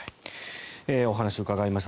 お話をお伺いしました。